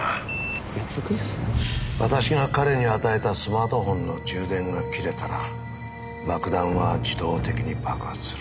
私が彼に与えたスマートホンの充電が切れたら爆弾は自動的に爆発する。